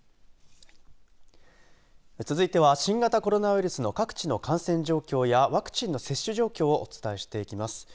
続いては新型コロナウイルスの各地の感染状況やワクチンの接種状況をお伝えしていきます。